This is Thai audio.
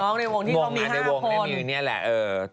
น้องในวงที่เขามี๕คน